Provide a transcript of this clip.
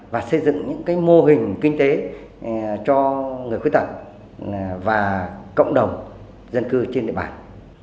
và xây dựng những mô hình kinh tế cho người khuyết tật và cộng đồng dân cư trên địa bàn